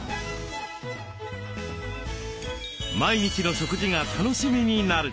毎日の食事が楽しみになる。